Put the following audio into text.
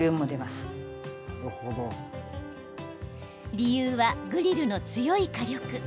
理由は、グリルの強い火力。